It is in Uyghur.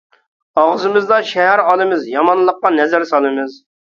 ئاغزىمىزدا شەھەر ئالىمىز، يامانلىققا نەزەر سالىمىز.